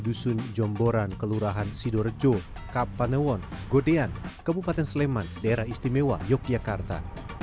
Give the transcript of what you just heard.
dusun jomboran kelurahan sidorejo kapanewon godean kabupaten sleman daerah istimewa yogyakarta